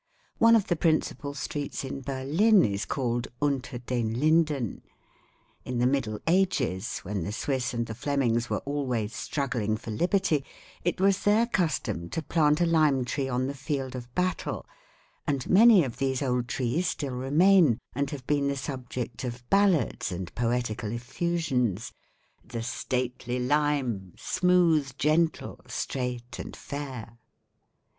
One of the principal streets in Berlin is called 'Unter den Linden.' In the Middle Ages, when the Swiss and the Flemings were always struggling for liberty, it was their custom to plant a lime tree on the field of battle, and many of these old trees still remain and have been the subject of ballads and poetical effusions: "'The stately lime, smooth, gentle, straight and fair.'"